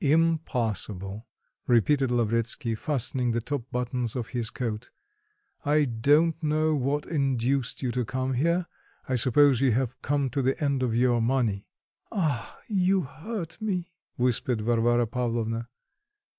"Impossible," repeated Lavretsky, fastening the top buttons of his coat. "I don't know what induced you to come here; I suppose you have come to the end of your money." "Ah! you hurt me!" whispered Varvara Pavlovna.